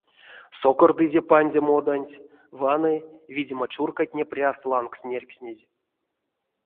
Сокордызе пандя моданть, ваны, видема чурькатне пряст лангс нерькстнезь.